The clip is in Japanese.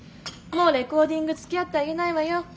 もうレコーディングつきあってあげないわよ。